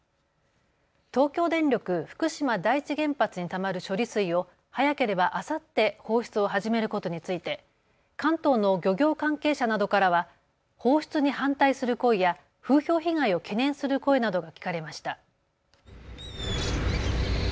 東京電力福島第一原発にたまる処理水を早ければあさって放出を始めることについて関東の漁業関係者などからは放出に反対する声や風評被害を懸念する声などが聞かれました。